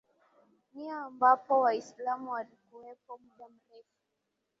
nia ambapo waislamu walikuwepo muda mrefu